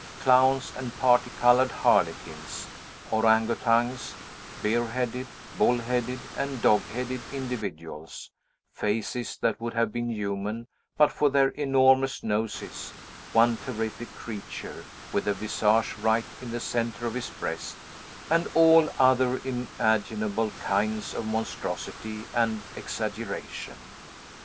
Clowns and party colored harlequins; orang outangs; bear headed, bull headed, and dog headed individuals; faces that would have been human, but for their enormous noses; one terrific creature, with a visage right in the centre of his breast; and all other imaginable kinds of monstrosity and exaggeration.